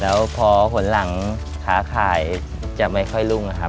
แล้วพอหวนหลังค้าขายจะไม่ค่อยรุ่ง